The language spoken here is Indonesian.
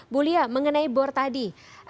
bu lia mengenai bor tadi